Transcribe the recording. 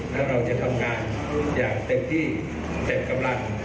แล้วเราจะทำงานอย่างเต็มที่เต็มกำลัง